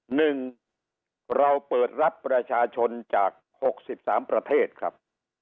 หนึ่งเราเปิดรับประชาชนจากหกสิบสามประเทศครับ